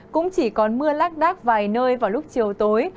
cũng chỉ còn mưa lác đác vài nơi vào lúc chiều tối